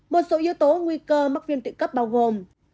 một số yếu tố nguy cơ mắc viên tụy cấp bao gồm